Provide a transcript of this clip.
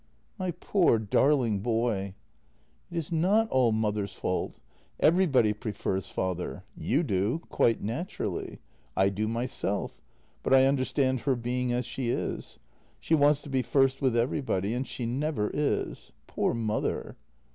" My poor, darling boy." " It is not all mother's fault. Everybody prefers father. You do — quite naturally — I do myself, but I understand her being as she is. She wants to be first with everybody, and she never is. Poor mother."